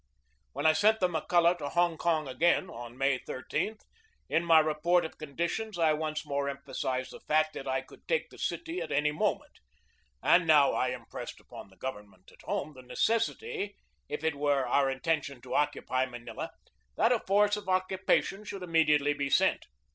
When I sent the McCulloch to Hong Kong again, on May 13, in my report of conditions I once more emphasized the fact that I could take the city at any moment; and now I impressed upon the govern ment at home the necessity, if it were our intention to occupy Manila, that a force of occupation should 2 4 o GEORGE DEWEY immediately be sent.